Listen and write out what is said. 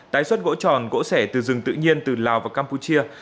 tái xuất gỗ tròn gỗ sẻ từ rừng tự nhiên từ lào và campuchia